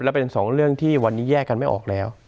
และเป็นสองเรื่องที่วันนี้แยกกันไม่ออกแล้ว